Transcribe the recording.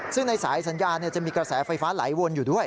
ซึ่งในสายสัญญาจะมีกระแสไฟฟ้าไหลวนอยู่ด้วย